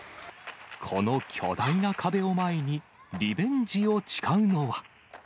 この巨大な壁を前に、リベンジを誓うのは。